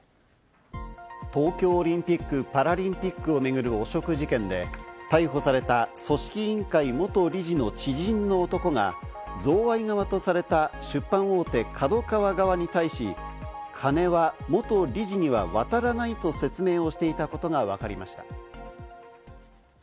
東京オリンピック・パラリンピックを巡る汚職事件で、逮捕された組織委員会元事理の知人の男が贈賄側とされた出版大手・ＫＡＤＯＫＡＷＡ側に対し、カネは元事理には渡らないと説明をしていたことがわかりました。